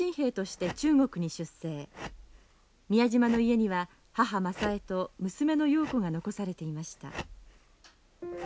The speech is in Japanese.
宮島の家には母雅枝と娘の瑤子が残されていました。